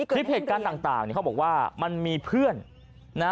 คลิปเหตุการณ์ต่างเนี่ยเขาบอกว่ามันมีเพื่อนนะ